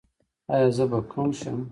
ایا زه به کڼ شم؟